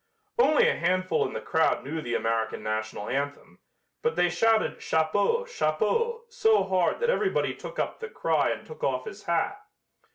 Only a handful in the crowd knew the American National anthem, but they shouted "Chapeau, chapeau" so hard that everybody took up the cry and took off his hat.